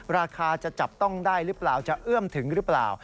ราคาจะจับต้องได้หรือเปล่าจะเอื้อมถึงหรือเปล่า